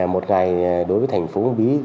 một ngày đối với thành phố hùng bí